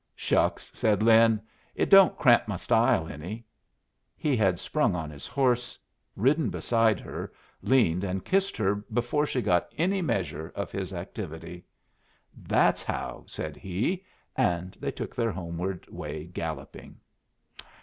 "Shucks!" said Lin. "It don't cramp my style any." He had sprung on his horse, ridden beside her, leaned and kissed her before she got any measure of his activity. "That's how," said he; and they took their homeward way galloping.